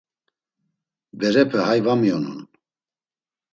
Berepe hay va mionun.